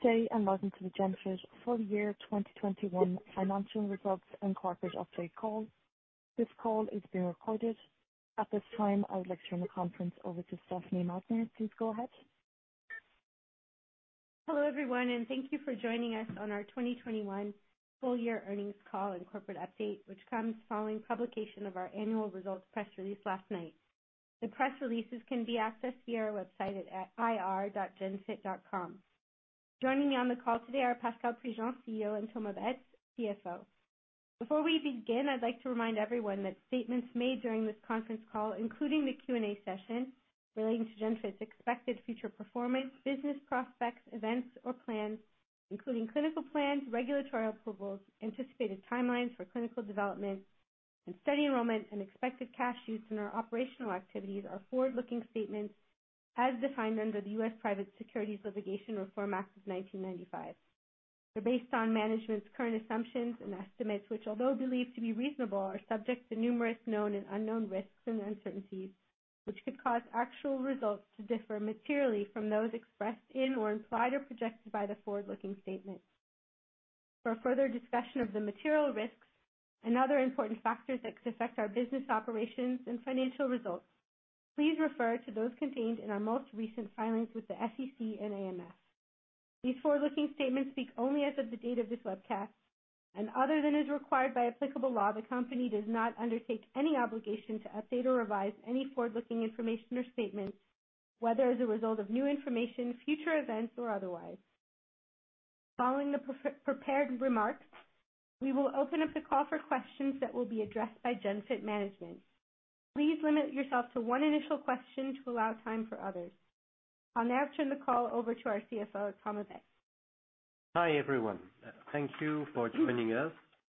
Good day, and welcome to the Genfit full year 2021 financial results and corporate update call. This call is being recorded. At this time, I would like to turn the conference over to Stefanie Magner. Please go ahead. Hello, everyone, and thank you for joining us on our 2021 full year earnings call and corporate update, which comes following publication of our annual results press release last night. The press releases can be accessed via our website at ir.genfit.com. Joining me on the call today are Pascal Prigent, CEO, and Thomas Baetz, CFO. Before we begin, I'd like to remind everyone that statements made during this conference call, including the Q&A session, relating to Genfit's expected future performance, business prospects, events or plans, including clinical plans, regulatory approvals, anticipated timelines for clinical development and study enrollment, and expected cash use in our operational activities, are forward-looking statements as defined under the U.S. Private Securities Litigation Reform Act of 1995. They're based on management's current assumptions and estimates, which although believed to be reasonable, are subject to numerous known and unknown risks and uncertainties, which could cause actual results to differ materially from those expressed in or implied or projected by the forward-looking statements. For further discussion of the material risks and other important factors that could affect our business operations and financial results, please refer to those contained in our most recent filings with the SEC and AMF. These forward-looking statements speak only as of the date of this webcast and, other than as required by applicable law. The company does not undertake any obligation to update or revise any forward-looking information or statements, whether as a result of new information, future events, or otherwise. Following the prepared remarks, we will open up the call for questions that will be addressed by Genfit management. Please limit yourself to one initial question to allow time for others. I'll now turn the call over to our CFO, Thomas Baetz. Hi, everyone. Thank you for joining us.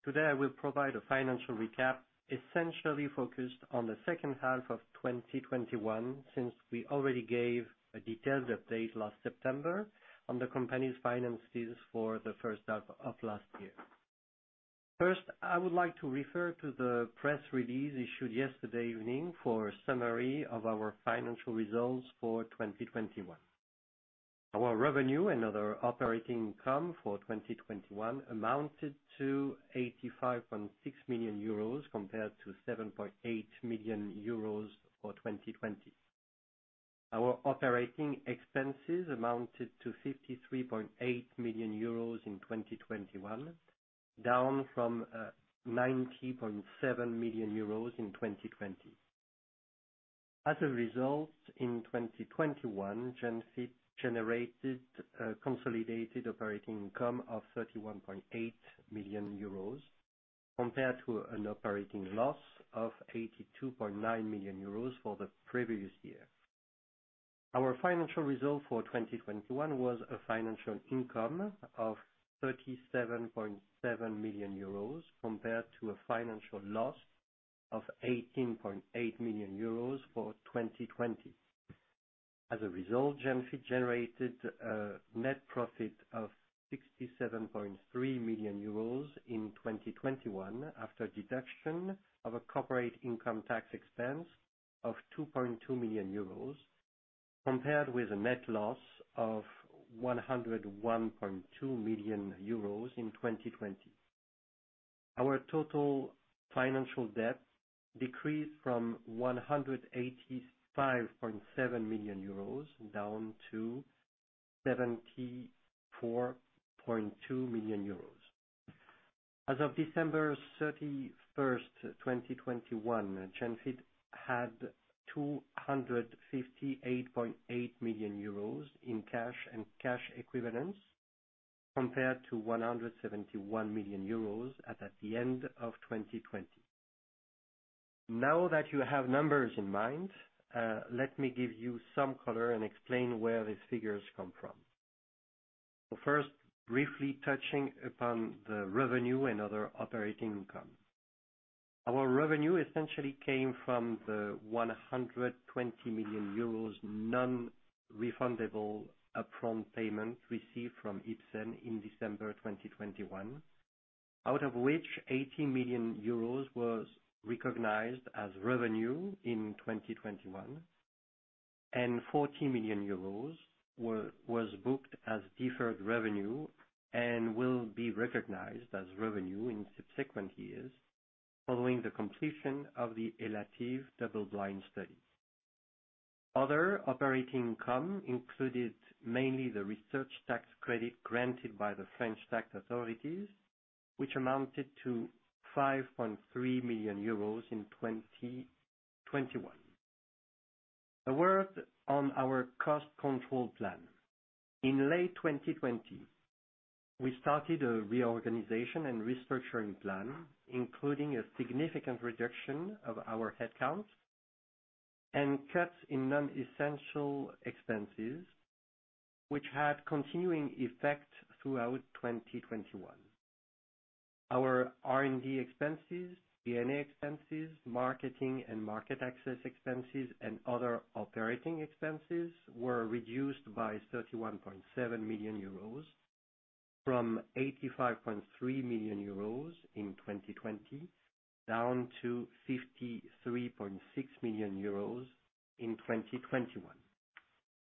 Today, I will provide a financial recap essentially focused on the second half of 2021, since we already gave a detailed update last September on the company's finances for the first half of last year. First, I would like to refer to the press release issued yesterday evening for a summary of our financial results for 2021. Our revenue and other operating income for 2021 amounted to 85.6 million euros compared to 7.8 million euros for 2020. Our operating expenses amounted to 53.8 million euros in 2021, down from 90.7 million euros in 2020. As a result, in 2021, Genfit generated a consolidated operating income of 31.8 million euros compared to an operating loss of 82.9 million euros for the previous year. Our financial result for 2021 was a financial income of 37.7 million euros compared to a financial loss of 18.8 million euros for 2020. As a result, Genfit generated a net profit of 67.3 million euros in 2021 after deduction of a corporate income tax expense of 2.2 million euros, compared with a net loss of 101.2 million euros in 2020. Our total financial debt decreased from 185.7 million euros down to 74.2 million euros. As of December 31, 2021, Genfit had 258.8 million euros in cash and cash equivalents, compared to 171 million euros at the end of 2020. Now that you have numbers in mind, let me give you some color and explain where these figures come from. First, briefly touching upon the revenue and other operating income. Our revenue essentially came from the 120 million euros non-refundable upfront payment received from Ipsen in December 2021. Out of which 80 million euros was recognized as revenue in 2021, and 40 million euros was booked as deferred revenue and will be recognized as revenue in subsequent years following the completion of the ELATIVE double-blind study. Other operating income included mainly the research tax credit granted by the French tax authorities, which amounted to 5.3 million euros in 2021. A word on our cost control plan. In late 2020, we started a reorganization and restructuring plan, including a significant reduction of our headcount and cuts in non-essential expenses, which had continuing effect throughout 2021. Our R&D expenses, G&A expenses, marketing and market access expenses, and other operating expenses were reduced by 31.7 million euros. From 85.3 million euros in 2020, down to 53.6 million euros in 2021.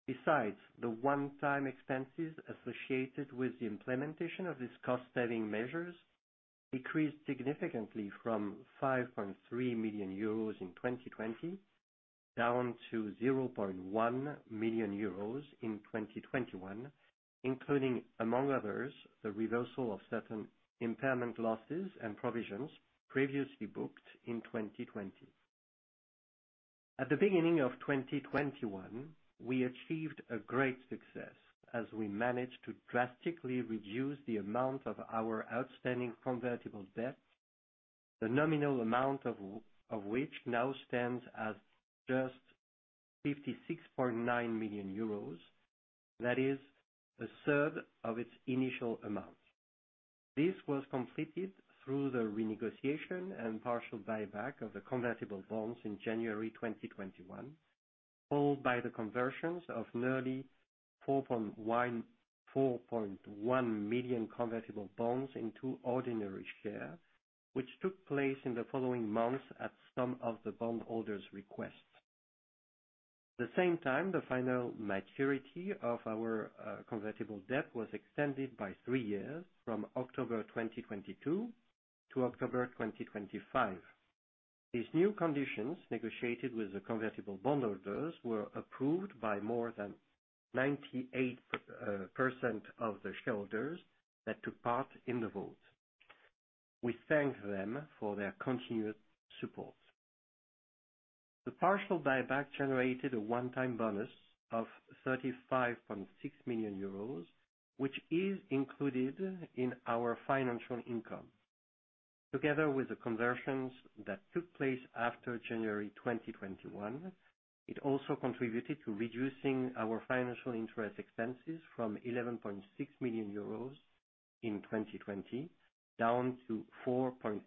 Besides, the one-time expenses associated with the implementation of these cost-saving measures decreased significantly from 5.3 million euros in 2020 down to 0.1 million euros in 2021, including, among others, the reversal of certain impairment losses and provisions previously booked in 2020. At the beginning of 2021, we achieved a great success as we managed to drastically reduce the amount of our outstanding convertible debt, the nominal amount of which now stands at just 56.9 million euros, that is a third of its initial amount. This was completed through the renegotiation and partial buyback of the convertible bonds in January 2021, followed by the conversions of nearly 4.1 million convertible bonds into ordinary shares, which took place in the following months at some of the bondholders' requests. At the same time, the final maturity of our convertible debt was extended by three years from October 2022 to October 2025. These new conditions negotiated with the convertible bondholders were approved by more than 98% of the shareholders that took part in the vote. We thank them for their continued support. The partial buyback generated a one-time bonus of 35.6 million euros, which is included in our financial income. Together with the conversions that took place after January 2021, it also contributed to reducing our financial interest expenses from 11.6 million euros in 2020 down to 4.8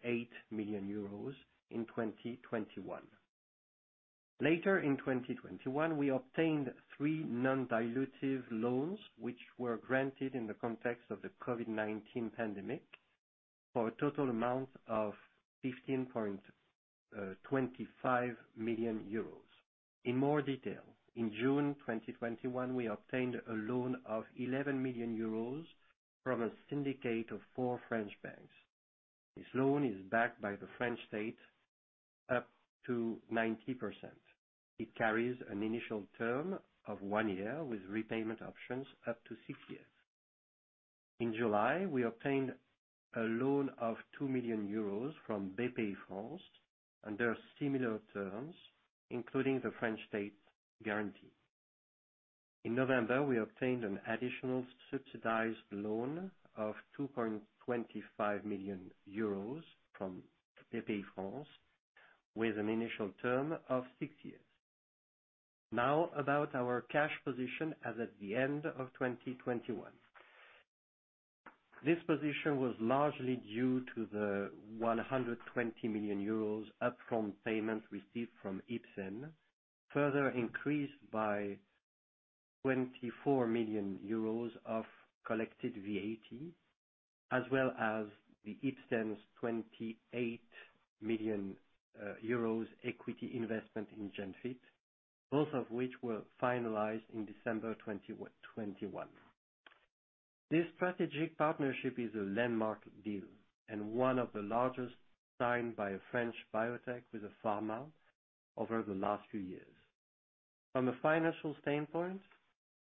million euros in 2021. Later in 2021, we obtained three non-dilutive loans which were granted in the context of the COVID-19 pandemic for a total amount of 25 million euros. In more detail, in June 2021, we obtained a loan of 11 million euros from a syndicate of four French banks. This loan is backed by the French state up to 90%. It carries an initial term of one year with repayment options up to six years. In July, we obtained a loan of 2 million euros from Bpifrance under similar terms, including the French state guarantee. In November, we obtained an additional subsidized loan of 2.25 million euros from Bpifrance with an initial term of six years. Now about our cash position as at the end of 2021. This position was largely due to the 120 million euros upfront payment received from Ipsen, further increased by 24 million euros of collected VAT, as well as Ipsen's 28 million euros equity investment in Genfit, both of which were finalized in December 2021. This strategic partnership is a landmark deal and one of the largest signed by a French biotech with a pharma over the last few years. From a financial standpoint,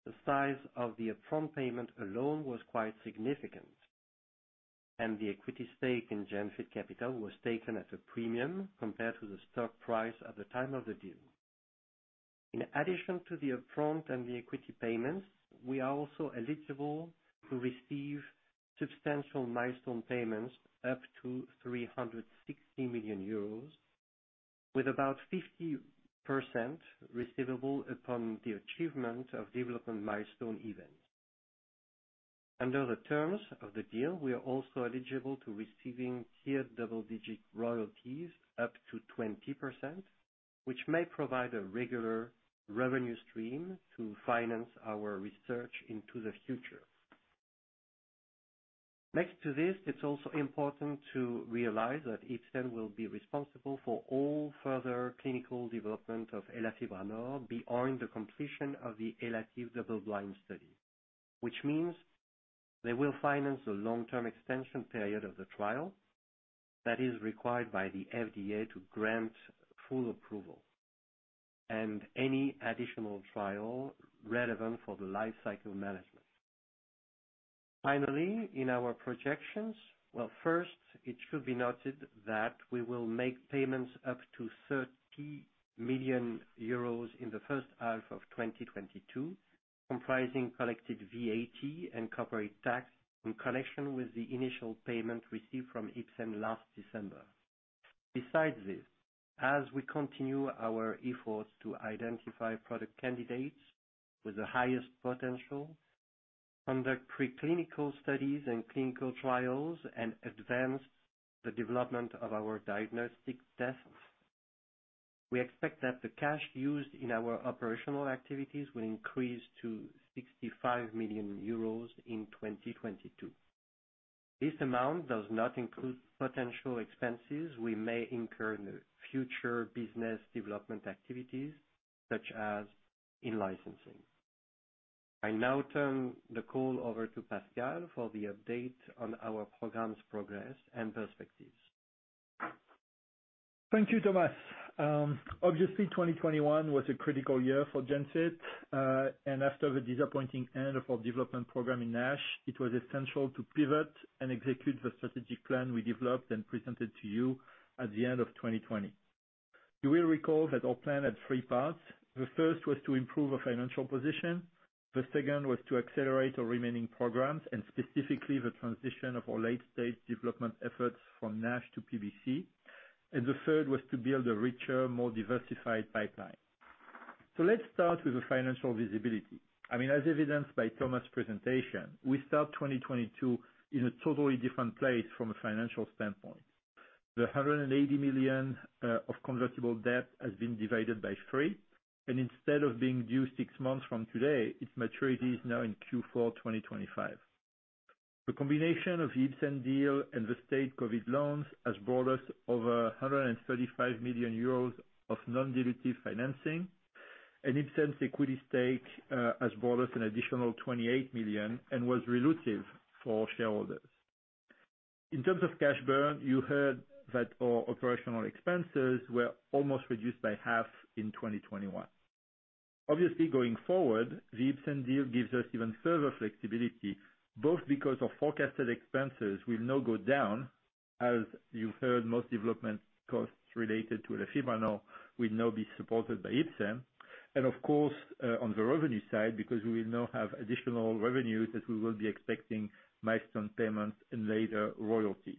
the size of the upfront payment alone was quite significant, and the equity stake in Genfit capital was taken at a premium compared to the stock price at the time of the deal. In addition to the upfront and the equity payments, we are also eligible to receive substantial milestone payments up to 360 million euros, with about 50% receivable upon the achievement of development milestone events. Under the terms of the deal, we are also eligible to receive tier double-digit royalties up to 20%, which may provide a regular revenue stream to finance our research into the future. Next to this, it's also important to realize that Ipsen will be responsible for all further clinical development of elafibranor beyond the completion of the elafibranor double-blind study. Which means they will finance the long-term extension period of the trial that is required by the FDA to grant full approval and any additional trial relevant for the lifecycle management. Finally, in our projections. Well, first, it should be noted that we will make payments up to 30 million euros in the first half of 2022, comprising collected VAT and corporate tax in connection with the initial payment received from Ipsen last December. Besides this, as we continue our efforts to identify product candidates with the highest potential, conduct preclinical studies and clinical trials, and advance the development of our diagnostic tests. We expect that the cash used in our operational activities will increase to 65 million euros in 2022. This amount does not include potential expenses we may incur in the future business development activities such as in licensing. I now turn the call over to Pascal for the update on our program's progress and perspectives. Thank you, Thomas. Obviously, 2021 was a critical year for Genfit. After the disappointing end of our development program in NASH, it was essential to pivot and execute the strategic plan we developed and presented to you at the end of 2020. You will recall that our plan had three parts. The first was to improve our financial position. The second was to accelerate our remaining programs and specifically the transition of our late-stage development efforts from NASH to PBC. The third was to build a richer, more diversified pipeline. Let's start with the financial visibility. I mean, as evidenced by Thomas' presentation, we start 2022 in a totally different place from a financial standpoint. The 180 million of convertible debt has been divided by three, and instead of being due six months from today, its maturity is now in Q4 2025. The combination of the Ipsen deal and the state COVID loans has brought us over 135 million euros of non-dilutive financing. Ipsen's equity stake has brought us an additional 28 million and was dilutive for shareholders. In terms of cash burn, you heard that our operational expenses were almost reduced by half in 2021. Obviously, going forward, the Ipsen deal gives us even further flexibility, both because our forecasted expenses will now go down, as you've heard, most development costs related to elafibranor will now be supported by Ipsen. Of course, on the revenue side, because we will now have additional revenues as we will be expecting milestone payments and later royalties.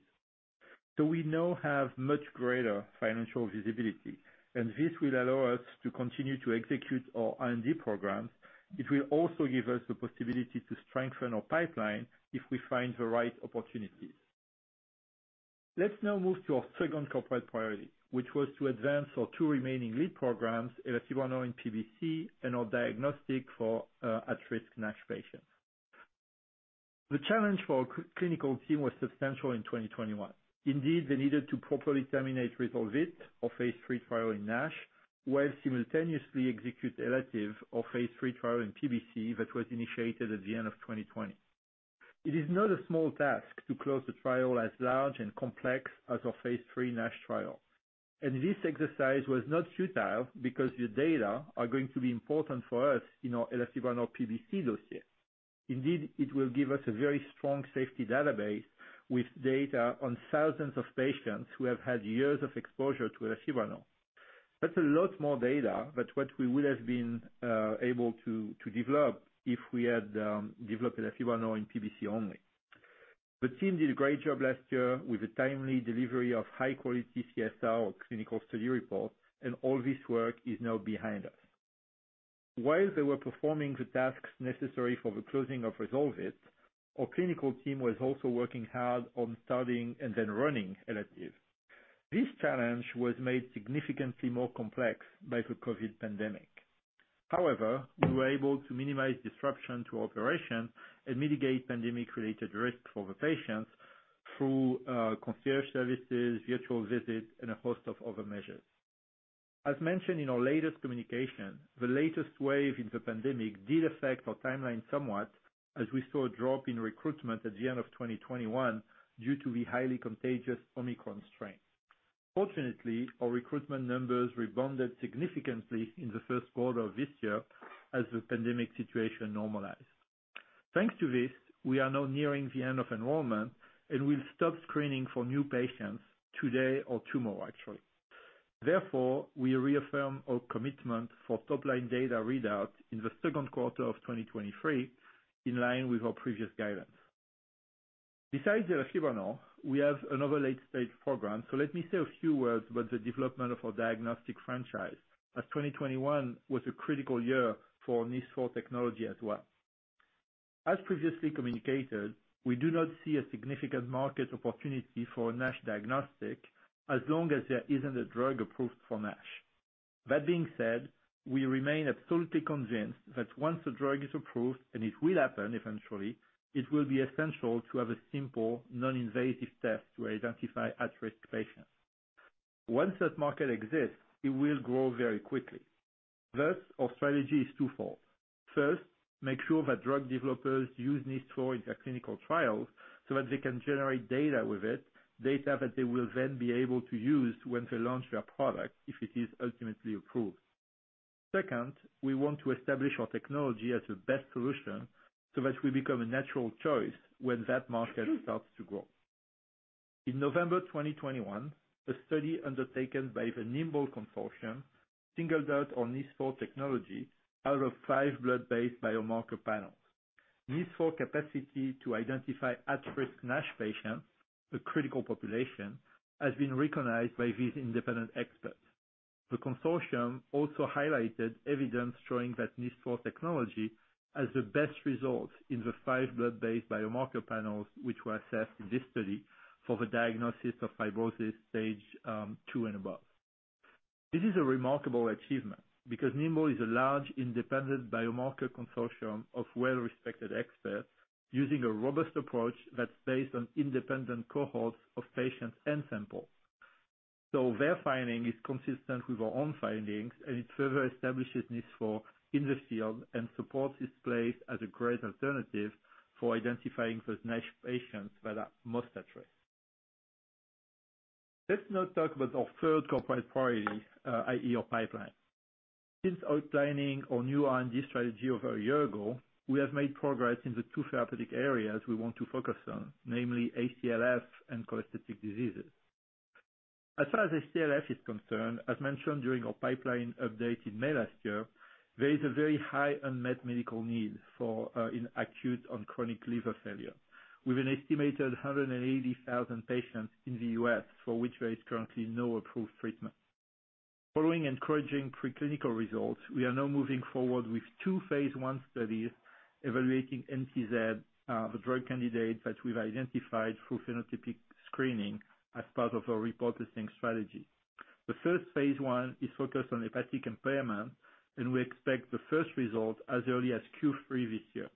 We now have much greater financial visibility, and this will allow us to continue to execute our R&D programs. It will also give us the possibility to strengthen our pipeline if we find the right opportunities. Let's now move to our second corporate priority, which was to advance our two remaining lead programs, elafibranor in PBC and our diagnostic for at-risk NASH patients. The challenge for our clinical team was substantial in 2021. Indeed, they needed to properly terminate RESOLVE-IT, our phase III trial in NASH, while simultaneously execute ELATIVE, our phase III trial in PBC that was initiated at the end of 2020. It is not a small task to close a trial as large and complex as our phase III NASH trial. This exercise was not futile because the data are going to be important for us in our elafibranor PBC dossier. Indeed, it will give us a very strong safety database with data on thousands of patients who have had years of exposure to elafibranor. That's a lot more data than what we would have been able to develop if we had developed elafibranor in PBC only. The team did a great job last year with the timely delivery of high-quality CSR or clinical study report, and all this work is now behind us. While they were performing the tasks necessary for the closing of RESOLVE-IT, our clinical team was also working hard on starting and then running ELATIVE. This challenge was made significantly more complex by the COVID pandemic. However, we were able to minimize disruption to operation and mitigate pandemic-related risk for the patients through concierge services, virtual visits, and a host of other measures. As mentioned in our latest communication, the latest wave in the pandemic did affect our timeline somewhat as we saw a drop in recruitment at the end of 2021 due to the highly contagious Omicron strain. Fortunately, our recruitment numbers rebounded significantly in the first quarter of this year as the pandemic situation normalized. Thanks to this, we are now nearing the end of enrollment, and we'll stop screening for new patients today or tomorrow, actually. Therefore, we reaffirm our commitment for top-line data readout in the second quarter of 2023, in line with our previous guidance. Besides the elafibranor, we have another late-stage program. So let me say a few words about the development of our diagnostic franchise, as 2021 was a critical year for NIS4 technology as well. As previously communicated, we do not see a significant market opportunity for NASH diagnostic as long as there isn't a drug approved for NASH. That being said, we remain absolutely convinced that once the drug is approved, and it will happen eventually, it will be essential to have a simple, non-invasive test to identify at-risk patients. Once that market exists, it will grow very quickly. Thus, our strategy is twofold. First, make sure that drug developers use NIS4 in their clinical trials so that they can generate data with it, data that they will then be able to use when they launch their product if it is ultimately approved. Second, we want to establish our technology as the best solution so that we become a natural choice when that market starts to grow. In November 2021, a study undertaken by the NIMBLE consortium singled out our NIS4 technology out of five blood-based biomarker panels. NIS4 capacity to identify at-risk NASH patients, a critical population, has been recognized by these independent experts. The consortium also highlighted evidence showing that NIS4 technology as the best result in the five blood-based biomarker panels, which were assessed in this study for the diagnosis of fibrosis stage two and above. This is a remarkable achievement because NIMBLE is a large independent biomarker consortium of well-respected experts using a robust approach that's based on independent cohorts of patients and samples. Their finding is consistent with our own findings, and it further establishes NIS4 in the field and supports its place as a great alternative for identifying those NASH patients that are most at risk. Let's now talk about our third corporate priority, i.e., our pipeline. Since outlining our new R&D strategy over a year ago, we have made progress in the two therapeutic areas we want to focus on, namely ACLF and cholestatic diseases. As far as ACLF is concerned, as mentioned during our pipeline update in May last year, there is a very high unmet medical need for in acute and chronic liver failure, with an estimated 180,000 patients in the U.S. for which there is currently no approved treatment. Following encouraging preclinical results, we are now moving forward with two phase I studies evaluating NTZ, the drug candidate that we've identified through phenotypic screening as part of our repurposing strategy. The first phase I is focused on hepatic impairment, and we expect the first result as early as Q3 this year.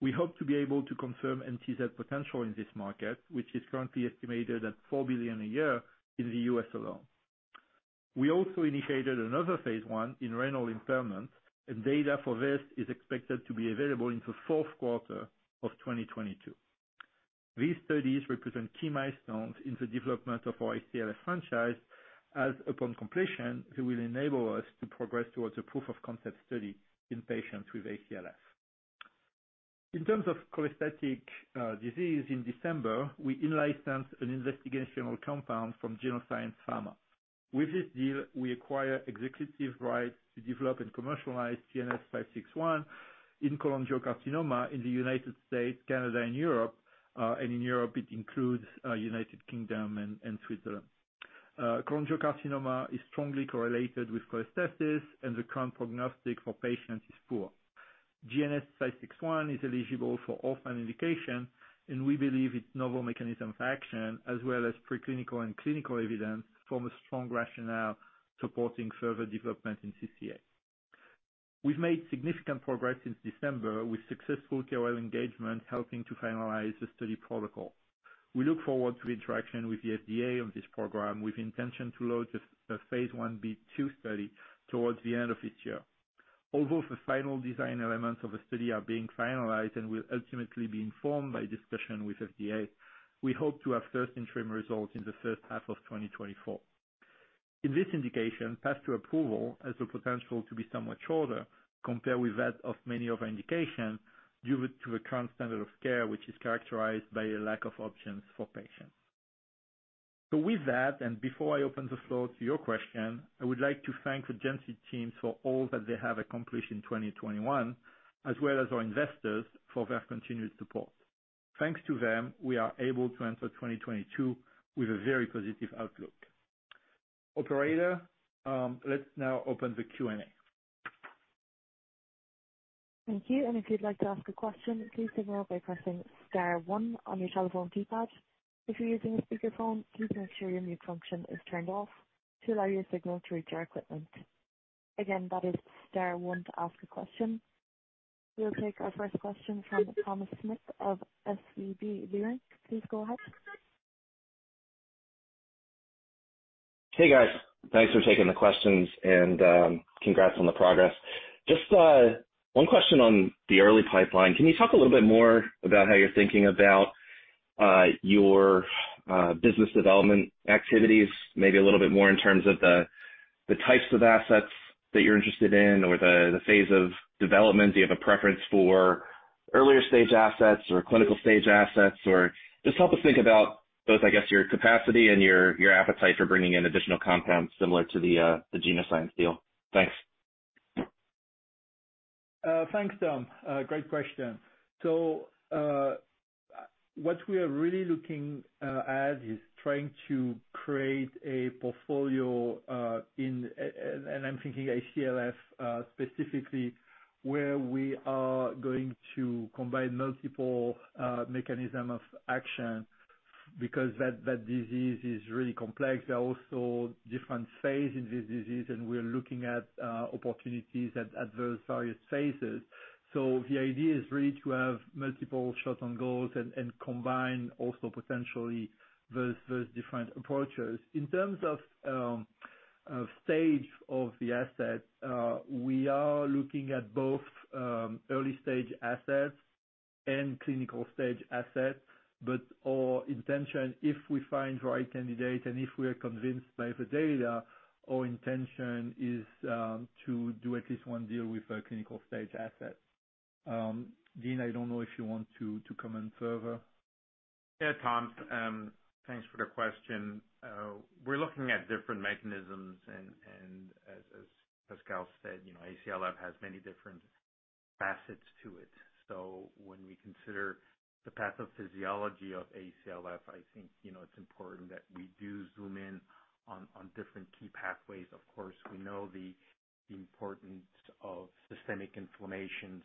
We hope to be able to confirm NTZ potential in this market, which is currently estimated at $4 billion a year in the U.S. alone. We also initiated another phase I in renal impairment, and data for this is expected to be available in the fourth quarter of 2022. These studies represent key milestones in the development of our ACLF franchise as, upon completion, they will enable us to progress towards a proof of concept study in patients with ACLF. In terms of cholestatic disease in December, we in-licensed an investigational compound from Genoscience Pharma. With this deal, we acquire exclusive right to develop and commercialize GNS-561 in cholangiocarcinoma in the United States, Canada, and Europe. And in Europe, it includes United Kingdom and Switzerland. Cholangiocarcinoma is strongly correlated with cholestasis, and the current prognosis for patients is poor. GNS-561 is eligible for orphan indication, and we believe its novel mechanism of action as well as preclinical and clinical evidence form a strong rationale supporting further development in CCA. We've made significant progress since December with successful KOL engagement, helping to finalize the study protocol. We look forward to interaction with the FDA on this program, with intention to launch a phase I/B II study towards the end of this year. Although the final design elements of the study are being finalized and will ultimately be informed by discussion with FDA, we hope to have first interim results in the first half of 2024. In this indication, path to approval has the potential to be somewhat shorter compared with that of many of our indication due to the current standard of care, which is characterized by a lack of options for patients. With that, and before I open the floor to your question, I would like to thank the Genfit team for all that they have accomplished in 2021, as well as our investors for their continued support. Thanks to them, we are able to enter 2022 with a very positive outlook. Operator, let's now open the Q&A. Thank you. If you'd like to ask a question, please signal by pressing star one on your telephone keypad. If you're using a speakerphone, please make sure your mute function is turned off to allow your signal to reach our equipment. Again, that is star one to ask a question. We'll take our first question from Thomas Smith of SEB. Please go ahead. Hey, guys. Thanks for taking the questions and congrats on the progress. Just one question on the early pipeline. Can you talk a little bit more about how you're thinking about your business development activities, maybe a little bit more in terms of the types of assets that you're interested in or the phase of development? Do you have a preference for earlier stage assets or clinical stage assets? Or just help us think about both, I guess, your capacity and your appetite for bringing in additional compounds similar to the Genoscience deal. Thanks. Thanks, Tom. Great question. What we are really looking at is trying to create a portfolio in ACLF specifically, where we are going to combine multiple mechanism of action because that disease is really complex. There are also different phases in this disease, and we're looking at opportunities at those various phases. The idea is really to have multiple shots on goals and combine also potentially those different approaches. In terms of stage of the asset, we are looking at both early-stage assets and clinical stage assets. Our intention, if we find right candidate and if we are convinced by the data, our intention is to do at least one deal with a clinical stage asset. Dean, I don't know if you want to comment further. Yeah, Tom. Thanks for the question. We're looking at different mechanisms and as Pascal said, you know, ACLF has many different facets to it. When we consider the pathophysiology of ACLF, I think, you know, it's important that we do zoom in on different key pathways. Of course, we know the importance of systemic inflammation.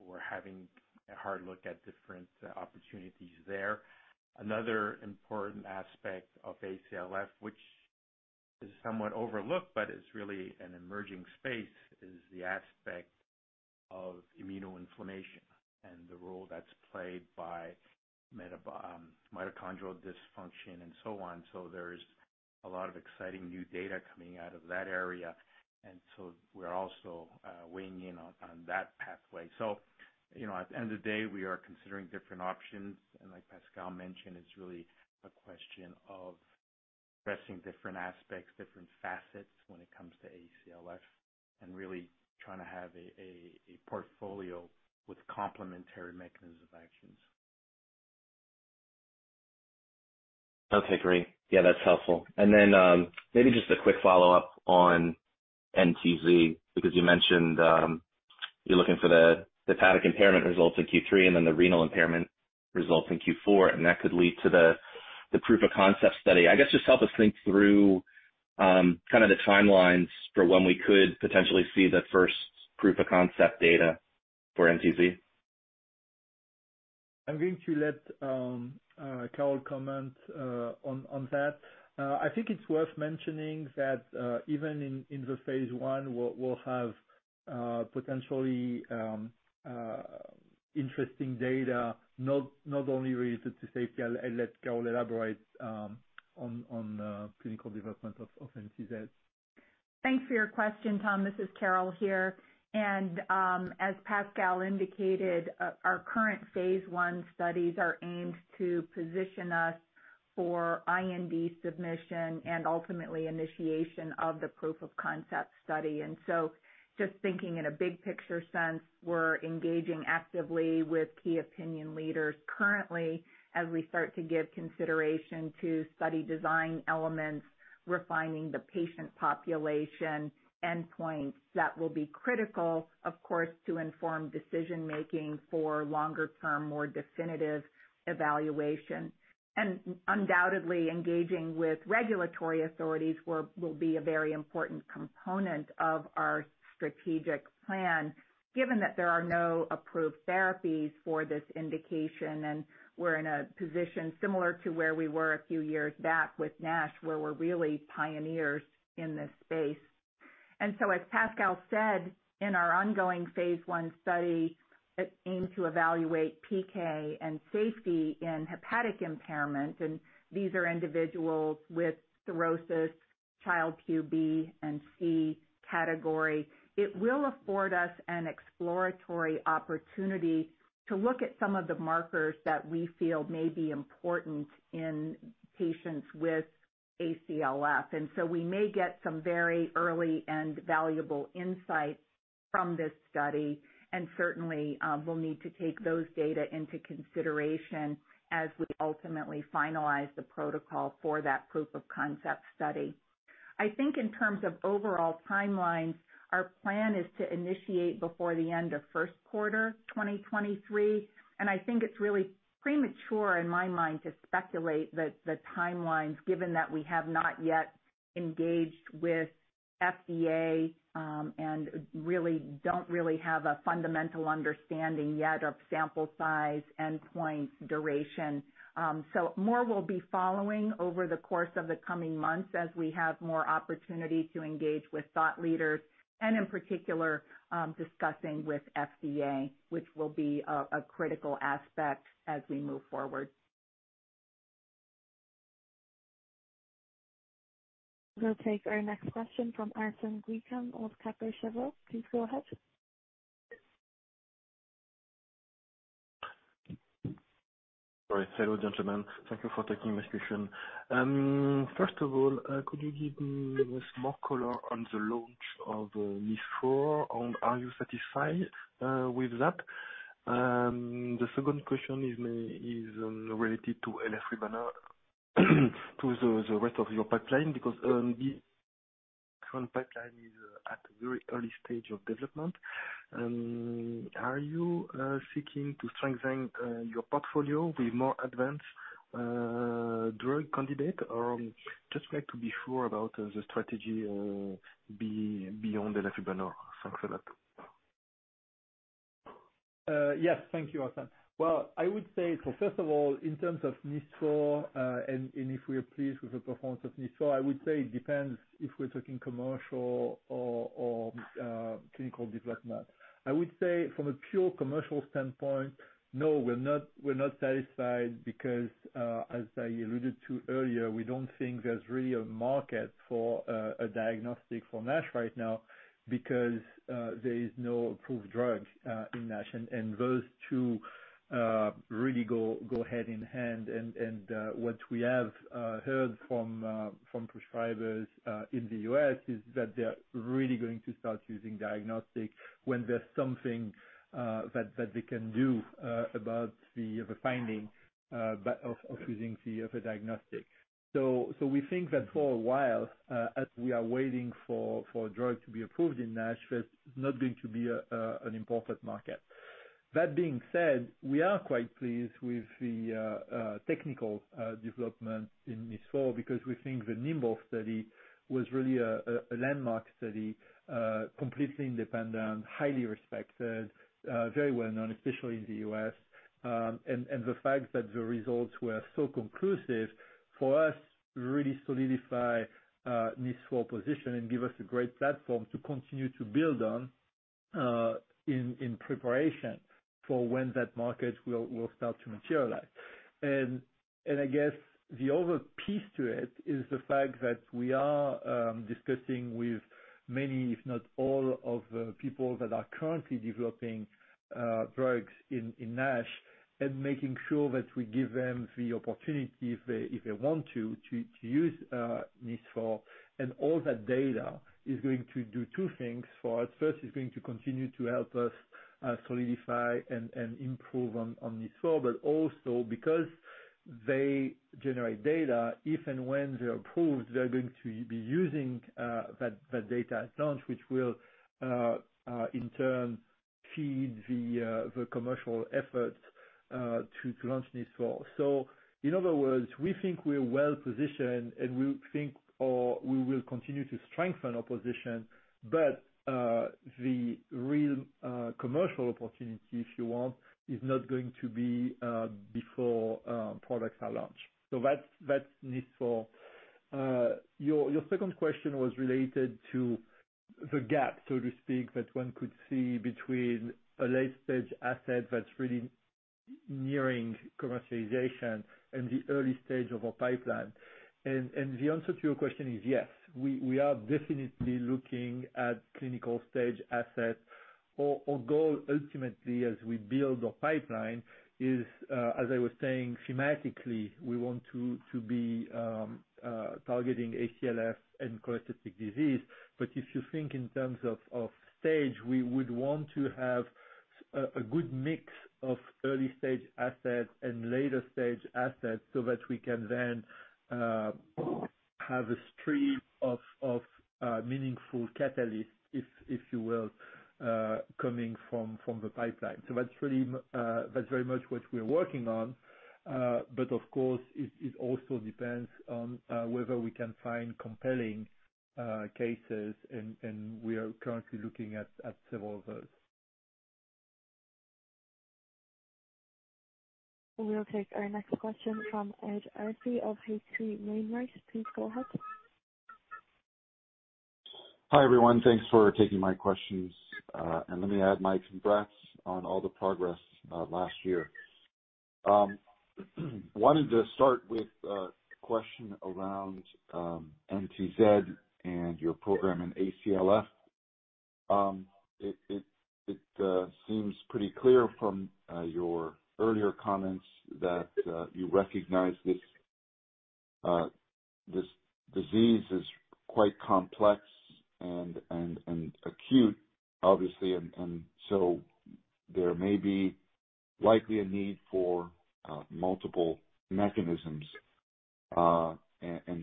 We're having a hard look at different opportunities there. Another important aspect of ACLF, which is somewhat overlooked but it's really an emerging space, is the aspect of immunoinflammation and the role that's played by mitochondrial dysfunction and so on. There's a lot of exciting new data coming out of that area, and so we're also weighing in on that pathway. you know, at the end of the day, we are considering different options, and like Pascal mentioned, it's really a question of addressing different aspects, different facets when it comes to ACLF and really trying to have a portfolio with complementary mechanisms of actions. Okay, great. Yeah, that's helpful. Maybe just a quick follow-up on NTZ, because you mentioned you're looking for the hepatic impairment results in Q3 and then the renal impairment results in Q4, and that could lead to the proof of concept study. I guess, just help us think through kind of the timelines for when we could potentially see the first proof of concept data for NTZ. I'm going to let Carol comment on that. I think it's worth mentioning that even in phase I, we'll have potentially interesting data not only related to safety. I'll let Carol elaborate on the clinical development of NTZ. Thanks for your question, Tom. This is Carol here. As Pascal indicated, our current phase I studies are aimed to position us for IND submission and ultimately initiation of the proof of concept study. Just thinking in a big picture sense, we're engaging actively with key opinion leaders currently as we start to give consideration to study design elements, refining the patient population endpoints that will be critical, of course, to inform decision-making for longer term, more definitive evaluation. Undoubtedly, engaging with regulatory authorities will be a very important component of our strategic plan, given that there are no approved therapies for this indication and we're in a position similar to where we were a few years back with NASH, where we're really pioneers in this space. As Pascal said, in our ongoing phase I study that aims to evaluate PK and safety in hepatic impairment, and these are individuals with cirrhosis Child-Pugh B and C category, it will afford us an exploratory opportunity to look at some of the markers that we feel may be important in patients with ACLF. We may get some very early and valuable insights from this study. Certainly, we'll need to take those data into consideration as we ultimately finalize the protocol for that proof of concept study. I think in terms of overall timelines, our plan is to initiate before the end of first quarter 2023. I think it's really premature in my mind to speculate the timelines, given that we have not yet engaged with FDA, and really don't have a fundamental understanding yet of sample size, endpoint, duration. More will be following over the course of the coming months as we have more opportunity to engage with thought leaders, and in particular, discussing with FDA, which will be a critical aspect as we move forward. We'll take our next question from Arun Kumar with Credit Suisse. Please go ahead. All right. Hello, gentlemen. Thank you for taking this question. First of all, could you give me more color on the launch of NIS4 and are you satisfied with that? The second question is related to elafibranor, to the rest of your pipeline because the current pipeline is at a very early stage of development. Are you seeking to strengthen your portfolio with more advanced drug candidate? Or just like to be sure about the strategy beyond elafibranor. Thanks a lot. Yes. Thank you, Arun. Well, I would say first of all, in terms of NIS4, if we are pleased with the performance of NIS4, I would say it depends if we're talking commercial or clinical development. I would say from a pure commercial standpoint, no, we're not satisfied because, as I alluded to earlier, we don't think there's really a market for a diagnostic for NASH right now because there is no approved drug in NASH. What we have heard from prescribers in the U.S. is that they're really going to start using diagnostics when there's something that they can do about the finding by way of using a diagnostic. We think that for a while, as we are waiting for a drug to be approved in NASH, it's not going to be an important market. That being said, we are quite pleased with the technical development in NIS4 because we think the NIMBLE study was really a landmark study, completely independent, highly respected, very well-known, especially in the U.S. The fact that the results were so conclusive, for us, really solidify NIS4 position and give us a great platform to continue to build on, in preparation for when that market will start to materialize. I guess the other piece to it is the fact that we are discussing with many, if not all of the people that are currently developing drugs in NASH and making sure that we give them the opportunity if they want to use NIS4. All that data is going to do two things for us. First, it's going to continue to help us solidify and improve on NIS4, but also because they generate data, if and when they're approved, they're going to be using that data at launch, which will in turn feed the commercial effort to launch NIS4. In other words, we think we're well-positioned, and we think or we will continue to strengthen our position. The real commercial opportunity, if you want, is not going to be before products are launched. That's NIS4. Your second question was related to the gap, so to speak, that one could see between a late-stage asset that's really nearing commercialization and the early stage of our pipeline. The answer to your question is yes. We are definitely looking at clinical stage asset. Our goal ultimately as we build our pipeline is, as I was saying thematically, we want to be targeting ACLF and cholestatic disease. If you think in terms of stage, we would want to have a good mix of early stage assets and later stage assets so that we can then have a stream of meaningful catalyst, if you will, coming from the pipeline. That's really very much what we are working on. Of course, it also depends on whether we can find compelling cases and we are currently looking at several of those. We'll take our next question from Ed Arce of H.C. Wainwright. Please go ahead. Hi, everyone. Thanks for taking my questions. Let me add my congrats on all the progress last year. Wanted to start with a question around NTZ and your program in ACLF. It seems pretty clear from your earlier comments that you recognize this disease is quite complex and acute, obviously. There may be likely a need for multiple mechanisms.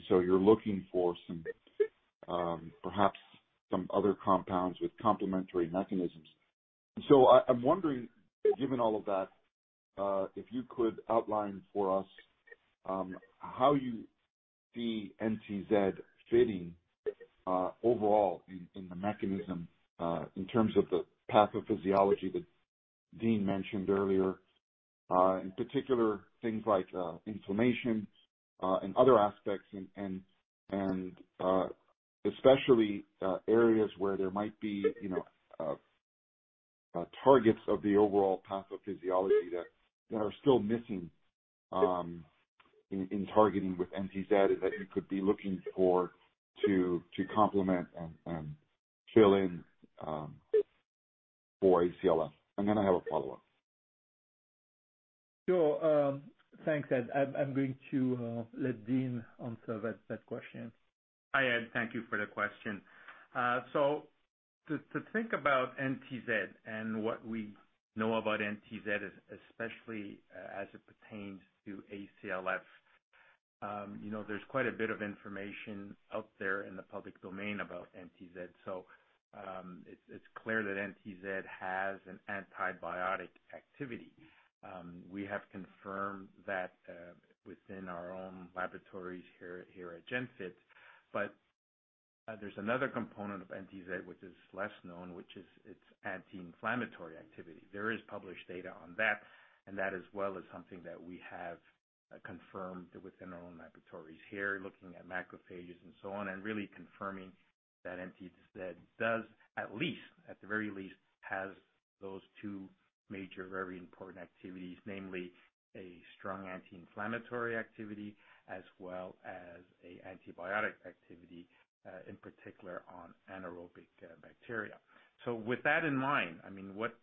You're looking for some other compounds with complementary mechanisms. I'm wondering, given all of that, if you could outline for us how you see NTZ fitting overall in the mechanism in terms of the pathophysiology that Dean mentioned earlier. In particular, things like inflammation and other aspects and especially areas where there might be, you know, targets of the overall pathophysiology that are still missing in targeting with NTZ that you could be looking for to complement and fill in for ACLF. I have a follow-up. Sure. Thanks, Ed. I'm going to let Dean answer that question. Hi, Ed. Thank you for the question. To think about NTZ and what we know about NTZ, especially as it pertains to ACLF, you know, there's quite a bit of information out there in the public domain about NTZ. It's clear that NTZ has an antibiotic activity. We have confirmed that within our own laboratories here at Genfit. There's another component of NTZ which is less known, which is its anti-inflammatory activity. There is published data on that, and that as well is something that we have confirmed within our own laboratories here, looking at macrophages and so on, and really confirming that NTZ does, at least, at the very least, has those two major, very important activities, namely a strong anti-inflammatory activity as well as an antibiotic activity, in particular on anaerobic bacteria. With that in mind, I mean, what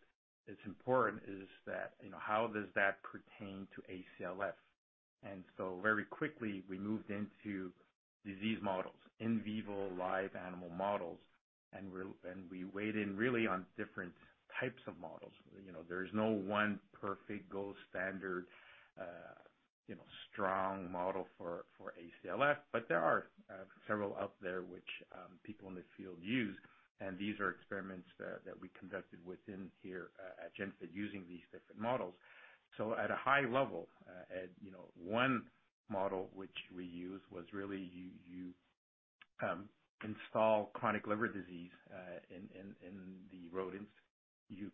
is important is that, you know, how does that pertain to ACLF? Very quickly, we moved into disease models, in vivo live animal models, and we weighed in really on different types of models. You know, there is no one perfect gold standard, you know, strong model for ACLF, but there are several out there which people in the field use. These are experiments that we conducted within here at Genfit using these different models. At a high level, Ed, you know, one model which we used was really you install chronic liver disease in the rodents. You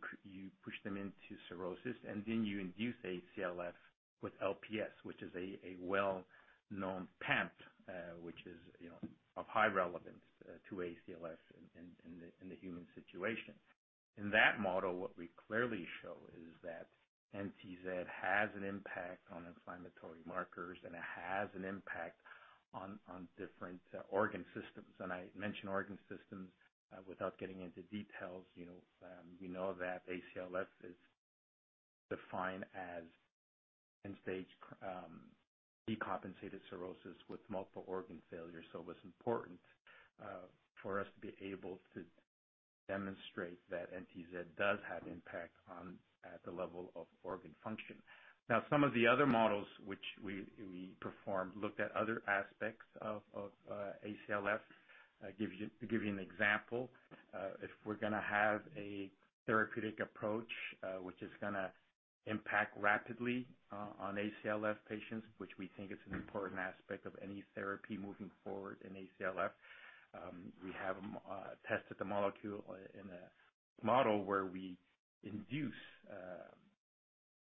push them into cirrhosis, and then you induce ACLF with LPS, which is a well-known PAMP, which is, you know, of high relevance to ACLF in the human situation. In that model, what we clearly show is that NTZ has an impact on inflammatory markers, and it has an impact on different organ systems. I mention organ systems without getting into details, you know, we know that ACLF is defined as end-stage decompensated cirrhosis with multiple organ failure. It was important for us to be able to demonstrate that NTZ does have impact on the level of organ function. Now, some of the other models which we performed looked at other aspects of ACLF. To give you an example, if we're gonna have a therapeutic approach, which is gonna impact rapidly on ACLF patients, which we think is an important aspect of any therapy moving forward in ACLF. We have tested the molecule in a model where we induce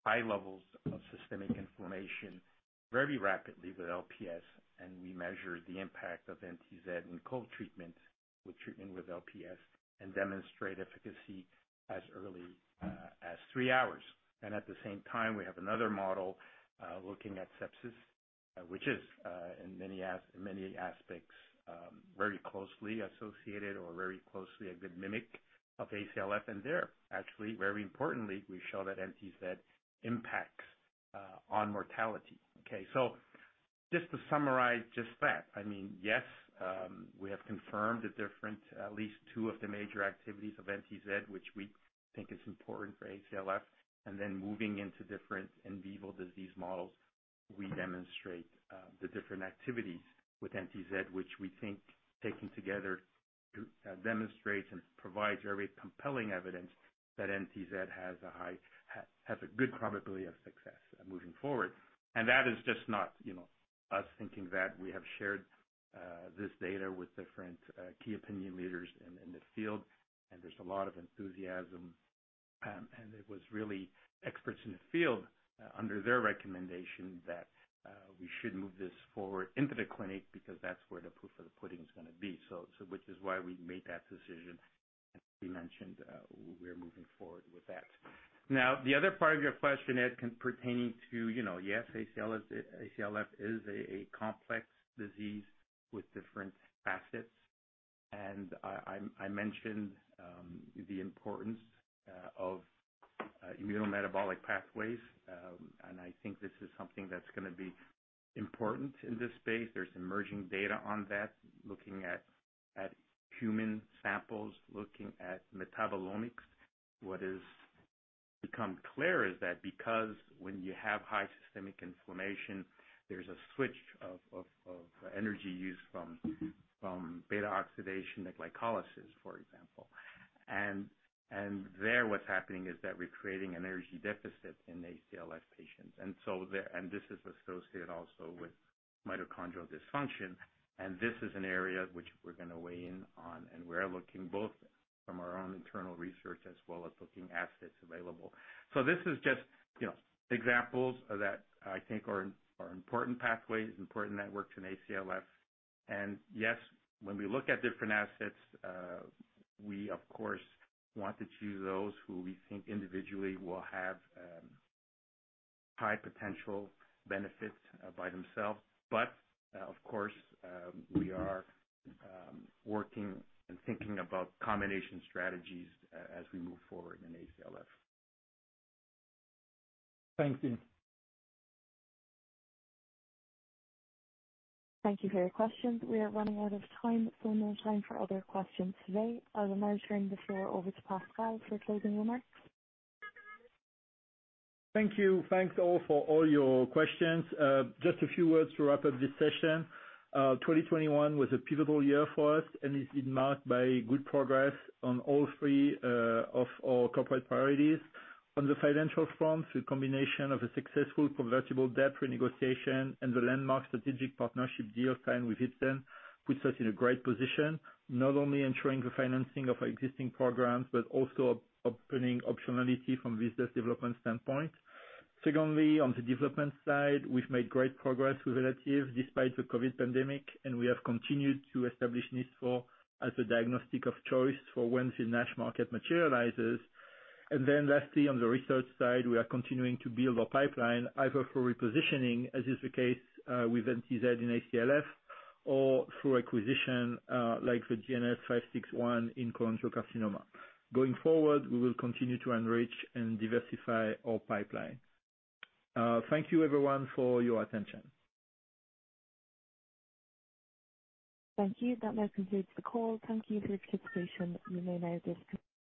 high levels of systemic inflammation very rapidly with LPS, and we measure the impact of NTZ in co-treatment with treatment with LPS and demonstrate efficacy as early as three hours. At the same time, we have another model looking at sepsis, which is in many aspects very closely associated or very closely a good mimic of ACLF. There, actually, very importantly, we show that NTZ impacts on mortality. Okay. Just to summarize just that, I mean, yes, we have confirmed the different at least two of the major activities of NTZ, which we think is important for ACLF. Moving into different in vivo disease models, we demonstrate the different activities with NTZ, which we think taking together to demonstrate and provide very compelling evidence that NTZ has a high has a good probability of success moving forward. That is just not, you know, us thinking that. We have shared this data with different key opinion leaders in the field, and there's a lot of enthusiasm. It was really experts in the field under their recommendation that we should move this forward into the clinic because that's where the proof of the pudding is gonna be. Which is why we made that decision. As we mentioned, we're moving forward with that. Now, the other part of your question, Ed, pertaining to, you know, yes, ACLF is a complex disease with different facets. I mentioned the importance of immunometabolic pathways. I think this is something that's gonna be important in this space. There's emerging data on that, looking at human samples, looking at metabolomics. What has become clear is that because when you have high systemic inflammation, there's a switch of energy use from beta oxidation to glycolysis, for example. There, what's happening is that we're creating an energy deficit in ACLF patients. So the. This is associated also with mitochondrial dysfunction, and this is an area which we're gonna weigh in on, and we're looking both from our own internal research as well as looking at assets available. This is just, you know, examples that I think are important pathways, important networks in ACLF. Yes, when we look at different assets, we of course want to choose those who we think individually will have high potential benefits by themselves. Of course, we are working and thinking about combination strategies as we move forward in ACLF. Thanks, Dean. Thank you for your questions. We are running out of time, so no time for other questions today. I will now turn the floor over to Pascal for closing remarks. Thank you. Thanks all for all your questions. Just a few words to wrap up this session. 2021 was a pivotal year for us and is marked by good progress on all three of our corporate priorities. On the financial front, the combination of a successful convertible debt renegotiation and the landmark strategic partnership deal signed with Ipsen puts us in a great position, not only ensuring the financing of our existing programs but also opening optionality from business development standpoint. Secondly, on the development side, we've made great progress with ELATIVE despite the COVID pandemic, and we have continued to establish NIS4 as a diagnostic of choice for when the NASH market materializes. Lastly, on the research side, we are continuing to build our pipeline either for repositioning, as is the case, with NTZ and ACLF, or through acquisition, like the GNS-561 in cholangiocarcinoma. Going forward, we will continue to enrich and diversify our pipeline. Thank you everyone for your attention. Thank you. That now concludes the call. Thank you for your participation. You may now disconnect.